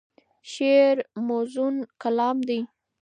شعر موزون کلام دی.